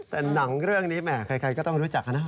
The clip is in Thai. แต่หนังเรื่องนี้แหมใครก็ต้องรู้จักนะ